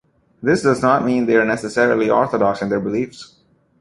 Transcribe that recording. This does not mean they are necessarily orthodox in their beliefs.